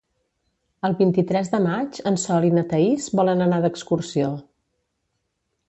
El vint-i-tres de maig en Sol i na Thaís volen anar d'excursió.